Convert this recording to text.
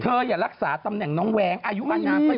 เธออย่ารักษาตำแหน่งน้องแวงอายุบ้านงานไปเยอะแล้ว